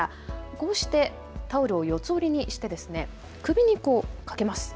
こうしてタオルを四つ折りにして首にかけます。